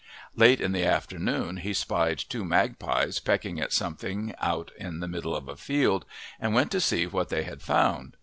Late in the afternoon he spied two magpies pecking at something out in the middle of a field and went to see what they had found.